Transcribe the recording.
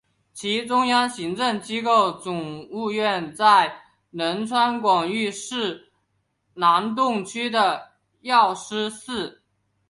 其中央行政机构总务院在仁川广域市南洞区的药师寺。